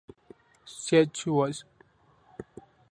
Schweiz.